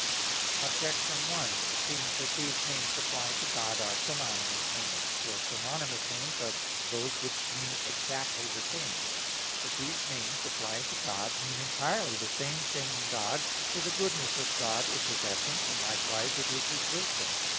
Objection 1: It seems that these names applied to God are synonymous names. For synonymous names are those which mean exactly the same. But these names applied to God mean entirely the same thing in God; for the goodness of God is His essence, and likewise it is His wisdom.